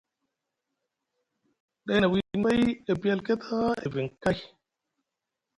Day na wii pay e piyi alket haa e niviŋ kay.